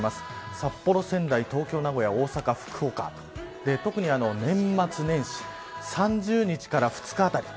札幌、仙台、東京、名古屋大阪、福岡特に年末年始３０日から２日あたり